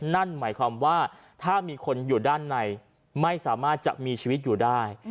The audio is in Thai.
นั่นหมายความว่าถ้ามีคนอยู่ด้านในไม่สามารถจะมีชีวิตอยู่ได้